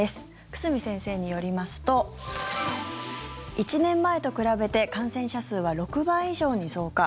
久住先生によりますと１年前と比べて感染者数は６倍以上に増加。